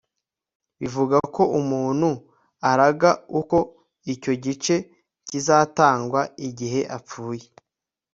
bivuga ko umuntu araga uko icyo gice kizatangwa igihe apfuye